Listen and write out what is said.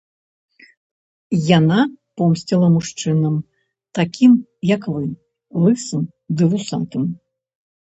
Яна помсціла мужчынам, такім, як вы, лысым ды вусатым.